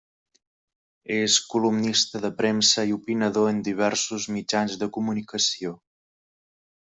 És columnista de premsa i opinador en diversos mitjans de comunicació.